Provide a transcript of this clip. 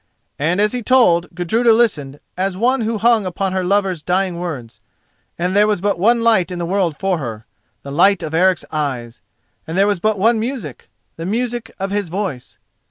And as he told, Gudruda listened as one who hung upon her lover's dying words, and there was but one light in the world for her, the light of Eric's eyes, and there was but one music, the music of his voice.